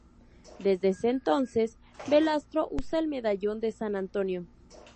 Desde ese entonces, Valastro usa el medallón de San Antonio.